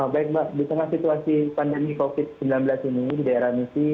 baik mbak di tengah situasi pandemi covid sembilan belas ini di daerah misi